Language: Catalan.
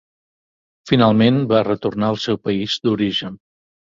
Finalment, va retornar al seu país d'origen.